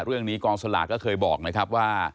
เรื่องนี้กองสลากก็เคยบอกนะครับว่า